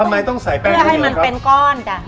ทำไมต้องใส่แป้งทุกอย่างครับ